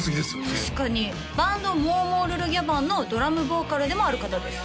確かにバンドモーモールルギャバンのドラムボーカルでもある方です